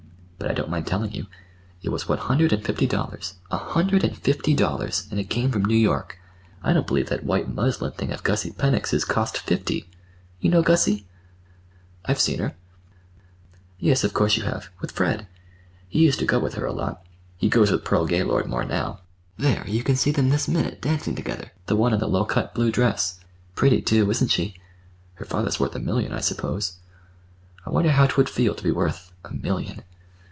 "But I don't mind telling you. It was one hundred and fifty dollars, a hundred and fifty dollars, and it came from New York. I don't believe that white muslin thing of Gussie Pennock's cost fifty! You know Gussie?" "I've seen her." "Yes, of course you have—with Fred. He used to go with her a lot. He goes with Pearl Gaylord more now. There, you can see them this minute, dancing together—the one in the low cut, blue dress. Pretty, too, isn't she? Her father's worth a million, I suppose. I wonder how 'twould feel to be worth—a million."